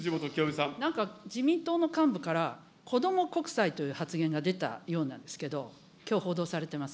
なんか自民党の幹部から、こども国債という発言が出たようなんですけれども、きょう報道されてます。